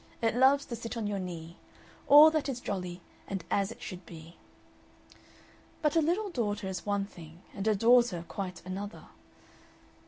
It loves to sit on your knee. All that is jolly and as it should be. But a little daughter is one thing and a daughter quite another.